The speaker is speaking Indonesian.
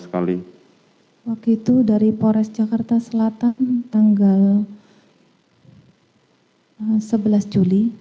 kalau dari polda selatan tanggal sebelas juli